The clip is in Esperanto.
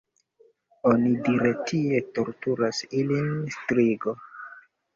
Onidire tie torturas ilin strigo.